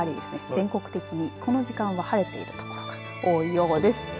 全国的に、この時間晴れているところが多いようです。